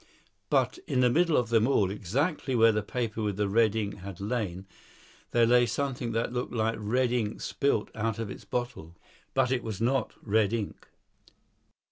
But in the middle of them all, exactly where the paper with the red ink had lain, there lay something that looked like red ink spilt out of its bottle. But it was not red ink.